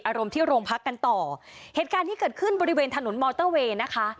อารมณ์ที่โรงพักกันต่อเหตุการณ์ที่เกิดขึ้นบริเวณถนนมอเตอร์เวย์นะคะ